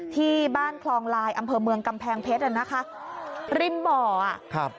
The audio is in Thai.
ที่บ้านคลองลายอำเภอเมืองกำแพงเพชรริมบ่อ